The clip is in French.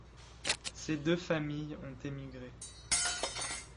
Ces deux familles ont émigré.